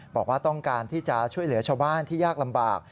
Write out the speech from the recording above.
บอกว่าต้องการที่จะช่วยเหลือชาวบ้านที่ยากลำบาก